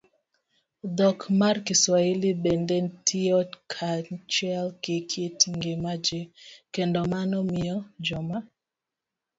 Dhok mar Kiswahili bende tiyo kanyachiel gi kit ngima ji, kendo mano miyo joma